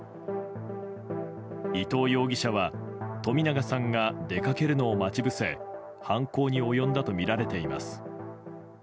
伊藤容疑者は冨永さんが出かけるのを待ち伏せ犯行に及んだとみられています。